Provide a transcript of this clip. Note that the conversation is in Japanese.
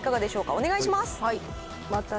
お願いします。